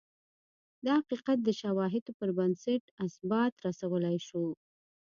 دا حقیقت د شواهدو پربنسټ اثبات رسولای شو.